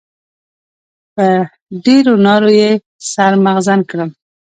په ډېرو نارو يې سر مغزن کړم.